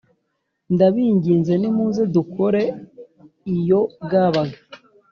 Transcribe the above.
Ndabinginze nimuze dukore iyo bwabaga